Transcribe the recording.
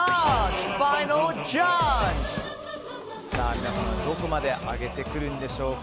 皆様、どこまで上げてくるんでしょうか。